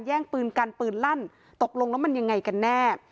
แย่งปืนกันปืนลั่นตกลงแล้วมันยังไงกันแน่